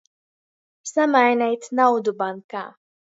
Samaineit naudu bankā.